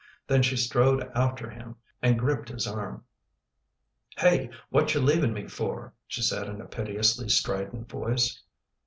Then she strode after him and gripped his arm. " Hey, watcha leavin' me for? " she said in a piteously strident voice.